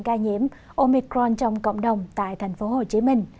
ca nhiễm omicron trong cộng đồng tại tp hcm